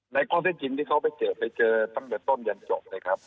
ในข้อเท็จจริงที่เขาไปเจอไปเจอตั้งแต่ต้นยันจบเลยครับ